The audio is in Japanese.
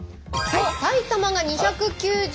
埼玉が２９０